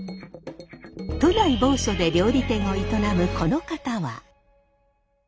都内某所で料理店を営むこの方は。